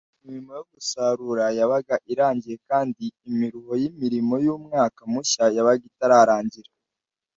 imirimo yo gusarura yabaga irangiye kandi imiruho y’imirimo y’umwaka mushya yabaga itaratangira,